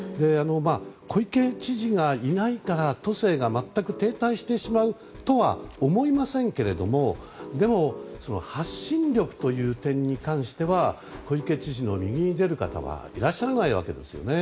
小池知事がいないから都政が全く停滞してしまうとは思いませんがでも、発信力という点に関しては小池知事の右に出る方はいらっしゃらないわけですよね。